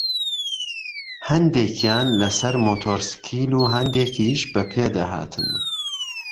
هەندێکیان لەسەر مۆتۆرسکیل و هەندێکیش بەپێ دەهاتن